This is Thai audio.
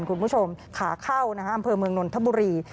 คุณผู้ชมขาเข้าอำเภอเมืองนนทบุรี